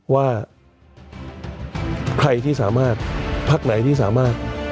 ว่าใครที่สามารถพักไหนที่สามารถ